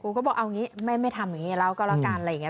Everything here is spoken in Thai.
ก็บอกเอาอย่างนี้ไม่ทำอย่างนี้แล้วก็แล้วกันอะไรอย่างนี้